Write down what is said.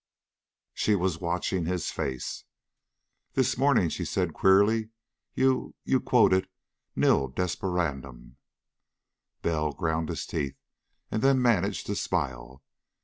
She was watching his face. "This morning," she said queerly, "you you quoted 'Nil desperandum.'" Bell ground his teeth, and then managed to smile.